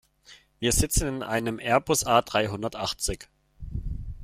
Wir sitzen in einem Airbus A-dreihundertachtzig.